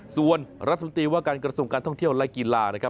ส่วนรับสมตีว่าการกระทรวมการท่องเที่ยวไร้กีฬา